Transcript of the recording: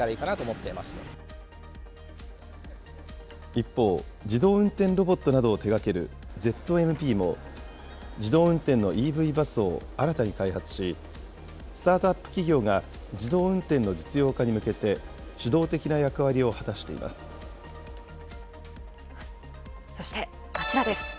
一方、自動運転ロボットなどを手がけるＺＭＰも自動運転のＥＶバスを新たに開発し、スタートアップ企業が自動運転の実用化に向けて、主そしてこちらです。